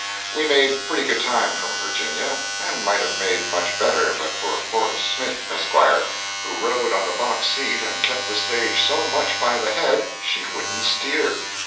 We made pretty good time from Virginia, and might have made much better, but for Horace Smith, Esq., who rode on the box seat and kept the stage so much by the head she wouldn't steer.